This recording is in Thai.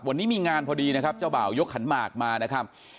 วันนี้มีงานพอดีนะครับเจ้าบ่าวยกขันหมากมานะครับ